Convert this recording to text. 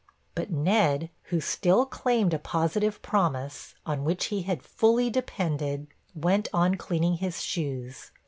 But Ned, who still claimed a positive promise, on which he had fully depended, went on cleaning his shoes.